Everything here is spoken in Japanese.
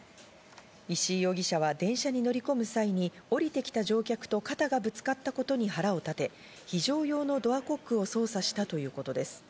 石井容疑者は電車に乗り込む際に、降りてきた乗客と肩がぶつかったことに腹を立て、非常用のドアコックを操作したということです。